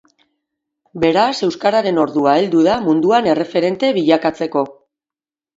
Beraz, euskararen ordua heldu da munduan erreferente bilakatzeko.